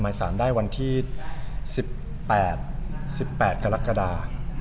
หมายสารได้วันที่๑๘๑๘กรกฎา